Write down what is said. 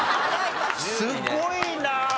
すごいな！